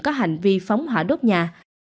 có hành vi phóng hỏa đốt nhà